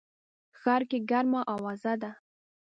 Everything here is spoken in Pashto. ښار کي ګرمه اوازه ده